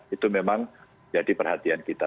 itu memang jadi perhatian kita